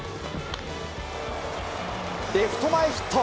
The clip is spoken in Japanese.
レフト前ヒット。